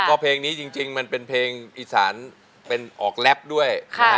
เพราะเพลงนี้จริงมันเป็นเพลงอีสานเป็นออกแรปด้วย